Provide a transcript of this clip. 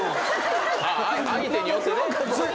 相手によってね。